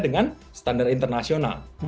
dan dikaitkan dengan standar internasional